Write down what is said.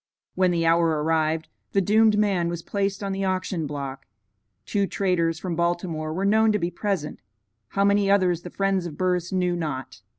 When the hour arrived, the doomed man was placed on the auction block. Two traders from Baltimore were known to be present; how many others the friends of Burris knew not.